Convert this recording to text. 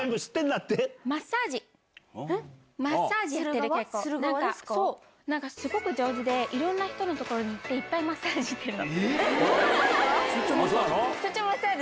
マッサージ、なんかすごく上手で、いろんな人の所に行って、いっぱいマッサージしてるの。